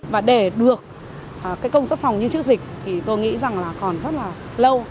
và để được cái công suất phòng như trước dịch thì tôi nghĩ rằng là còn rất là lâu